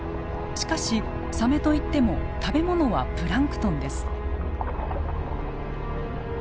しかしサメといっても食べ物はプランクトンです。